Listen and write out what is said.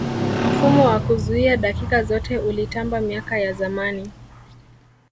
mfumo wa kuzuia dakika zote ulitamba miaka ya zamani